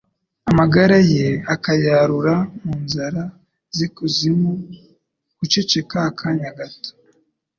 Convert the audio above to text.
amagara ye akayarura mu nzara z’ikuzimu? guceceka akanya gato